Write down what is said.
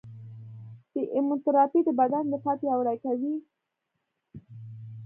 د ایمونوتراپي د بدن دفاع پیاوړې کوي.